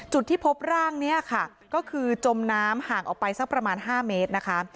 จุดที่พบร่างนี้ค่ะก็คือจมน้ำห่างออกไปสักประมาณ๕เมตรนะคะ